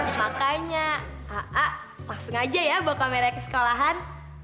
makanya aa langsung aja ya bawa kamera ke sekolahan